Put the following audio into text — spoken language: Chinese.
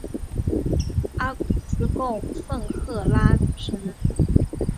阿古斯供奉赫拉女神。